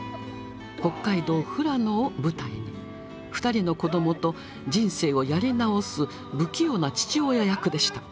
北海道・富良野を舞台に２人の子どもと人生をやり直す不器用な父親役でした。